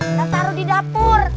kita taruh di dapur